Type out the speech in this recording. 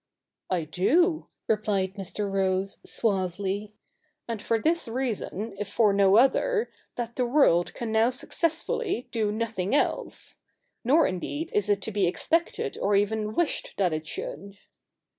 ' I do,' repHed Mr. Rose suavely ;' and for this reason, if for no other, that the world can now success fully do nothing else. Nor, indeed, is it to be expected or even wished that it should.'